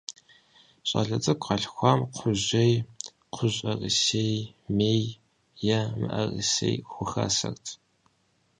ЩӀалэ цӀыкӀу къалъхуамэ, кхъужьей, кхъужьӀэрысей, мей е мыӀэрысей хухасэрт.